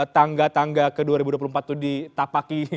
tangga tangga ke dua ribu dua puluh empat itu ditapaki